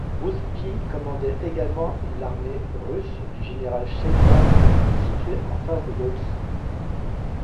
Rouszki commandait également la armée russe du général Scheidemann, située en face de Łódź.